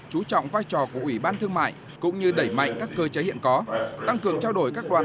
chú trọng vai trò của ủy ban thương mại cũng như đẩy mạnh các cơ chế hiện có